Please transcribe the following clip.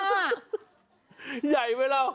ใหญ่ไหมเรา